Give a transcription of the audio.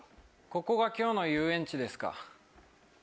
ここが今日の遊園地ですか。